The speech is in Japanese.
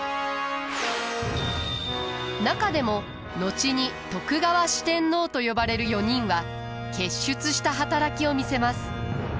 中でも後に徳川四天王と呼ばれる４人は傑出した働きを見せます。